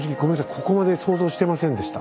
ここまで想像してませんでした。